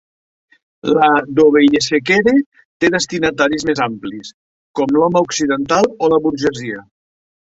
La d'Obeyesekere té destinataris més amplis, com l'home occidental o la burgesia.